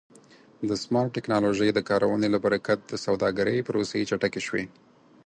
د سمارټ ټکنالوژۍ د کارونې له برکت د سوداګرۍ پروسې چټکې شوې.